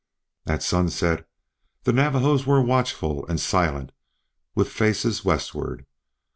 At sunset the Navajos were watchful and silent with faces westward.